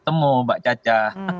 temu mbak caca